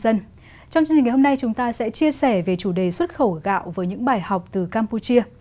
trong chương trình ngày hôm nay chúng ta sẽ chia sẻ về chủ đề xuất khẩu gạo với những bài học từ campuchia